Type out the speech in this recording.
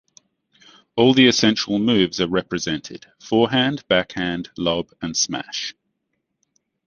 All the essential moves are represented: forehand, backhand, lob, and smash.